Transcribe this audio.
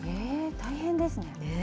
大変ですね。